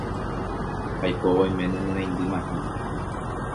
Aipóva oiméne nereindymahína.